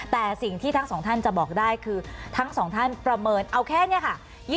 แต่สิ่งที่ทั้งสองท่านจะบอกได้คือทั้งสองท่านประเมินเอาแค่นี้ค่ะ